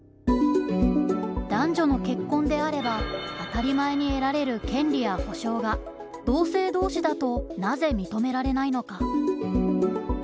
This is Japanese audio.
男女の結婚であれば当たり前に得られる権利や保障が同性同士だとなぜ認められないのか。